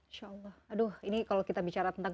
insya allah aduh ini kalau kita bicara tentang